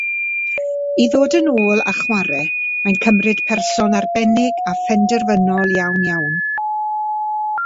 I ddod yn ôl a chwarae, mae'n cymryd person arbennig a phenderfynol iawn, iawn.